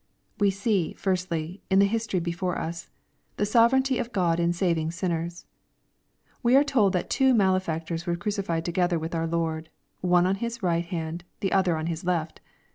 We see, firstly, in the history before us, the sovereignty fif God in saving sinners, . We are told that two male factors w#e crucified together with our Lord, one on His right hand and the other on His left.